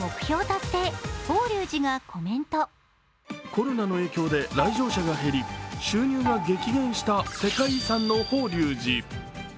コロナの影響で来場者が減り、収入が激減した世界遺産の法隆寺。